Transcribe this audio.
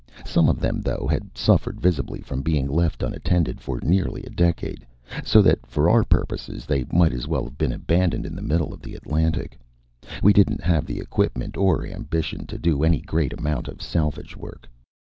Some of them, though, had suffered visibly from being left untended for nearly a decade, so that for our purposes they might as well have been abandoned in the middle of the Atlantic; we didn't have the equipment or ambition to do any great amount of salvage work.